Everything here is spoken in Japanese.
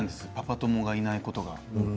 友がいないことが。